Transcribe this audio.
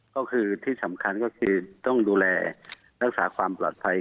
ก็คือที่สำคัญก็คือต้องดูแลรักษาความปลอดภัย